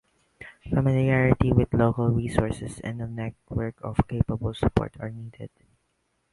Familiarity with local resources and a network of capable support are needed.